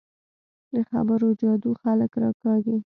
د خبرو جادو خلک راکاږي